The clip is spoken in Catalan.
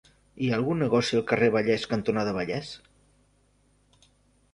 Hi ha algun negoci al carrer Vallès cantonada Vallès?